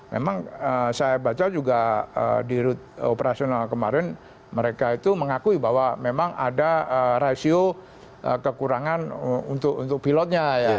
memang saya baca juga di operasional kemarin mereka itu mengakui bahwa memang ada rasio kekurangan untuk pilotnya ya